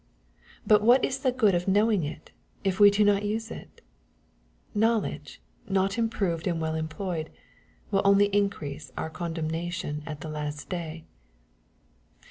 "' But what is the good of knowing it, if we do not use it ? Knowledge, not improved and well employed, will only increase our condemnation at the last day.